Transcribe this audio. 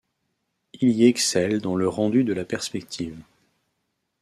Il y excelle dans le rendu de la perspective.